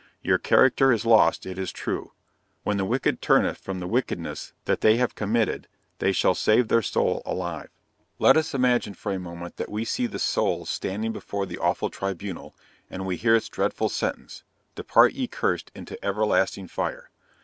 Your character is lost, it is true. When the wicked turneth from the wickedness that they have committed, they shall save their soul alive. "Let us imagine for a moment that we see the souls standing before the awful tribunal, and we hear its dreadful sentence, depart ye cursed into everlasting fire.